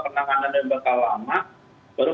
penanganan yang bakal lama baru